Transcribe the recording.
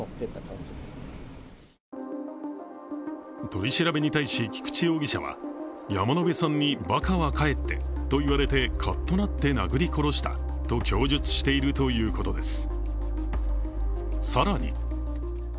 取り調べに対し菊池容疑者は山野辺さんにばかは帰ってと言われてカッとなって殴り殺したと供述しているということです。